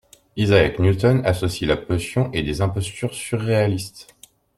Isaac Newton associe la potion et des impostures surréalistes.